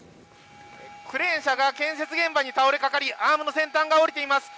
クレーン車が建設現場に倒れかかりアームの先端が折れています。